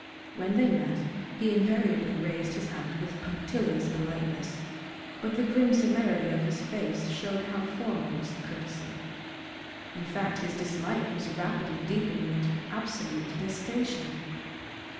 When they met he invariably raised his hat with punctilious politeness, but the grim severity of his face showed how formal was the courtesy. In fact, his dislike was rapidly deepening into absolute detestation.